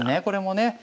これもね。